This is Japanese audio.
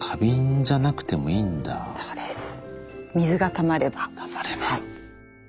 たまれば。